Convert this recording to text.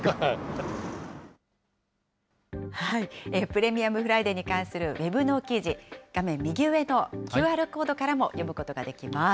プレミアムフライデーに関するウェブの記事、画面右上のＱＲコードからも読むことができます。